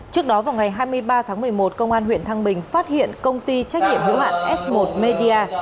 trước đó vào ngày hai mươi ba tháng một mươi một công an huyện thăng bình phát hiện công ty trách nhiệm hữu hạn s một media